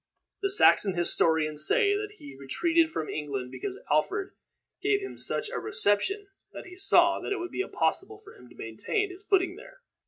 The Saxon historians say that he retreated from England because Alfred gave him such a reception that he saw that it would be impossible for him to maintain his footing there.